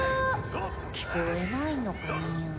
聞こえないのかにゃ？